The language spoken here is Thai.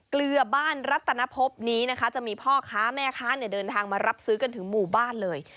เกลือบ้านรัตนภพนี้นะคะจะมีพ่อค้าแม่ค้าเดินทางมารับซื้อกันถึงหมู่บ้านเลย